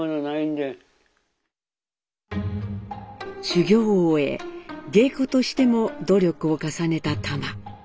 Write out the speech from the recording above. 修業を終え芸妓としても努力を重ねたタマ。